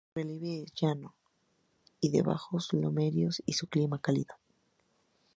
Su relieve es llano y de bajos lomeríos, y su clima cálido.